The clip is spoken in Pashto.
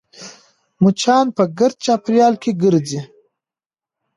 مچان په ګرد چاپېریال کې ګرځي